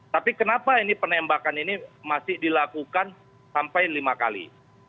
tapi kenapa ini penembakan ini masih dilakukan sampai lima kali